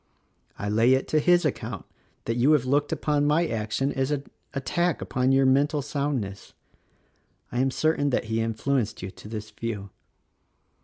I lay it to his account that you have looked upon my action as an attack upon your mental soundness. I am certain that he influenced you to this view.